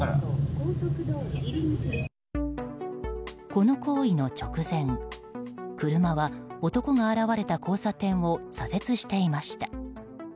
この行為の直前車は男が現れた交差点を左折していました。